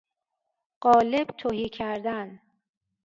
قالب تهی کردن